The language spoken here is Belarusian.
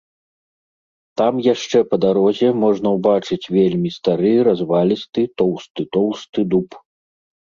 Там яшчэ па дарозе можна ўбачыць вельмі стары развалісты тоўсты-тоўсты дуб.